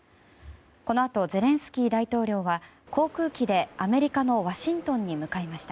このあとゼレンスキー大統領は航空機でアメリカのワシントンに向かいました。